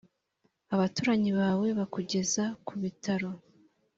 abaturanyi bawe bakugeza ku bitaro